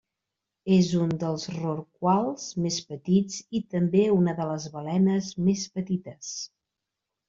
És un dels rorquals més petits i també una de les balenes més petites.